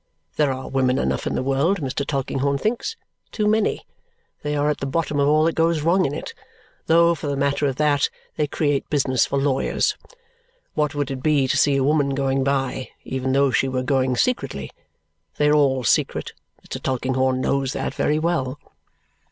There are women enough in the world, Mr. Tulkinghorn thinks too many; they are at the bottom of all that goes wrong in it, though, for the matter of that, they create business for lawyers. What would it be to see a woman going by, even though she were going secretly? They are all secret. Mr. Tulkinghorn knows that very well.